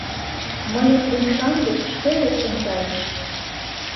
Мыйын умшам гыч шке лектын кайыш.